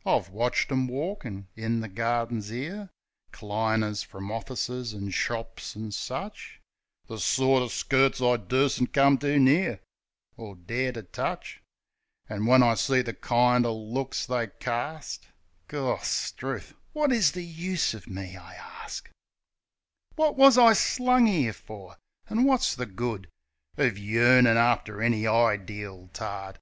16 THE SENTIMENTAL BLOKE I've watched 'em walkin' in the gardings 'ere — Cliners from orfices an' shops an' such; The sorter skirts I dursn't come too near, Or dare to touch. An' when I see the kind er looks they carst ... Gorstrooth! Wot is the use o' me, I arst? Wot wus I slung 'ere for? An' wot's the good Of yearnin' after any ideel tart?